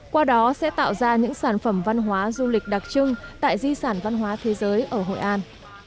qua đó sẽ tạo ra những sản phẩm văn hóa du lịch đặc trưng tại di sản văn hóa thế giới ở hội an